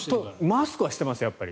マスクはしてますよ。